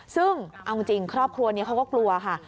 ซึ่งเอาจริงครอบครัวนี้เขาก็กลัวค่ะ